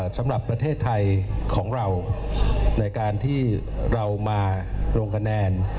สำหรับประเทศไทยของเราในการที่เรามาลงคะแนน